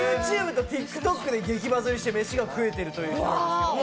ＹｏｕＴｕｂｅとＴｉｋＴｏｋで激バズりして飯が食えてるという。